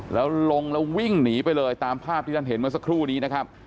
แล้วลงแล้ววิ่งหนีไปเลยตามภาพที่ท่านเห็นเมื่อสักครู่นี้นะครับ